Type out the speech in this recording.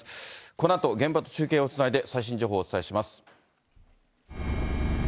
このあと、現場と中継をつないで最新情報をお伝えします。